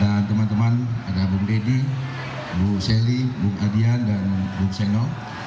dan teman teman ada bung dedy bung sely bung adian dan bung seno